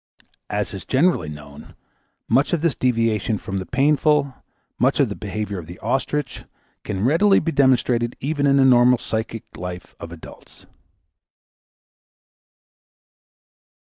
As is generally known, much of this deviation from the painful, much of the behavior of the ostrich, can be readily demonstrated even in the normal psychic life of adults.